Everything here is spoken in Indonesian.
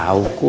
eh tolong dulu